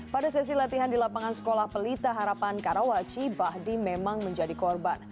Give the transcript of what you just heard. pada sesi latihan di lapangan sekolah pelita harapan karawaci bahdim memang menjadi korban